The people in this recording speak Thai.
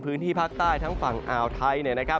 พื้นที่ภาคใต้ทั้งฝั่งอ่าวไทย